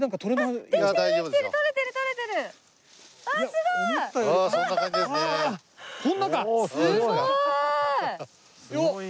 すごーい！